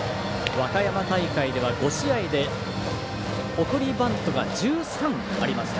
和歌山大会では５試合で送りバントが１３ありました。